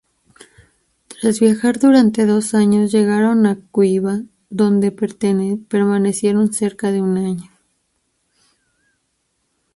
Tras viajar durante dos años, llegaron a Cuiabá, donde permanecieron cerca de un año.